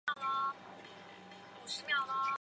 视听体验室中可以随时欣赏各代名家的录音录像。